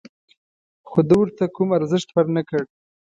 خو ده ورته کوم ارزښت ور نه کړ.